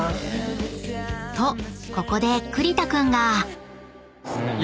［とここで栗田君が］